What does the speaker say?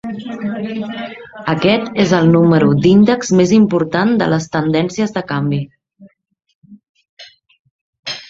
Aquest és el número d'índex més important de les tendències de canvi.